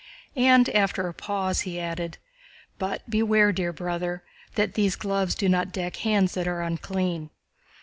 And after a pause, he added: "But beware, dear brother, that these gloves do not deck hands that are unclean."